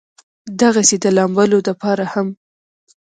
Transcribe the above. دغسې د لامبلو د پاره هم